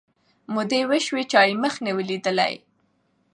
مودې وسوې چا یې مخ نه وو لیدلی